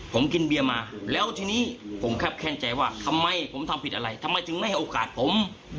ผมกินเบียร์มาแล้วทีนี้ผมครับแค่งใจว่าทำไมผมทำผิดอะไรทำไมถึงไม่ให้โอกาสผม